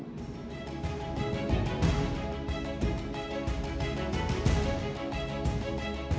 berita terkini mengenai cuaca ekstrem dua ribu dua puluh satu